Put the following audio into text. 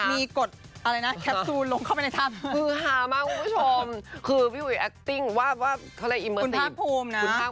มีกฎอะไรนะแคปซูนลงเข้าไปในถ้ำ